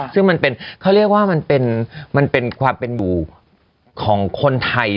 ซึ่งมันเป็นเขาเรียกว่ามันเป็นความเป็นอยู่ของคนไทย